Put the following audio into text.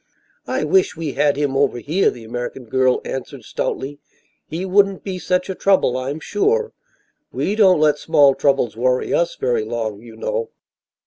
"I wish we had him over here," the American girl answered stoutly. "He wouldn't be such a trouble I'm sure. We don't let small troubles worry us very long, you know."